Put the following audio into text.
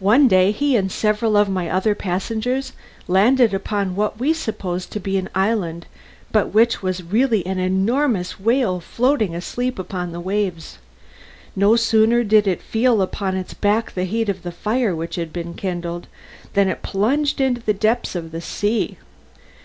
One day he and several of my other passengers landed upon what we supposed to be an island, but which was really an enormous whale floating asleep upon the waves. No sooner did it feel upon its back the heat of the fire which had been kindled, than it plunged into the depths of the sea.